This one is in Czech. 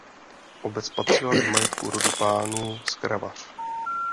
Obec patřila do majetku rodu pánů z Kravař.